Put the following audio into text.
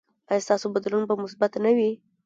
ایا ستاسو بدلون به مثبت نه وي؟